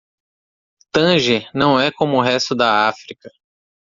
Tânger não é como o resto da África.